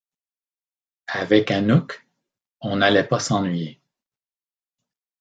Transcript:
Avec Anouk, on n’allait pas s’ennuyer !